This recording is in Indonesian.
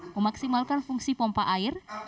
memaksimalkan fungsi pompa air